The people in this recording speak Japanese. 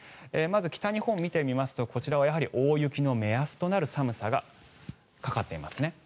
まず北日本を見てみますとこちらは大雪の目安となる寒さがかかっていますね。